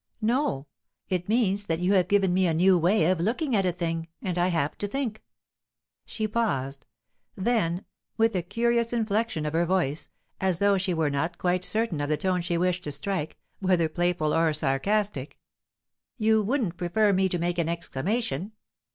"No. It means that you have given me a new way of looking at a thing; and I have to think." She paused; then, with a curious inflection of her voice, as though she were not quite certain of the tone she wished to strike, whether playful or sarcastic: "You wouldn't prefer me to make an exclamation?"